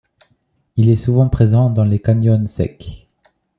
Il est souvent présent dans les canyons secs.